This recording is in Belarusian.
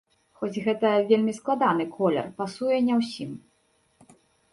Хоць гэта вельмі складаны колер, пасуе не ўсім!